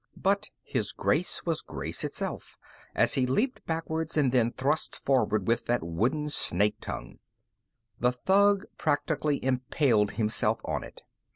But His Grace was grace itself as he leaped backwards and then thrust forward with that wooden snake tongue. The thug practically impaled himself on it.